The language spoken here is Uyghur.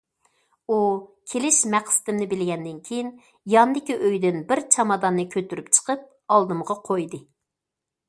ئۇ كېلىش مەقسىتىمنى بىلگەندىن كېيىن، ياندىكى ئۆيدىن بىر چاماداننى كۆتۈرۈپ چىقىپ ئالدىمغا قويدى.